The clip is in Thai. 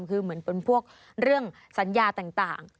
คือเหมือนเป็นพวกเรื่องสัญญาต่าง